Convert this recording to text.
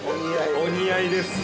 お似合いです。